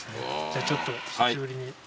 じゃあちょっと久しぶりに。